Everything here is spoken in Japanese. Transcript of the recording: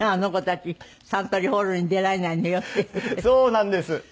そうなんです。